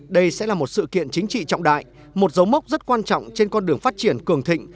đây sẽ là một sự kiện chính trị trọng đại một dấu mốc rất quan trọng trên con đường phát triển cường thịnh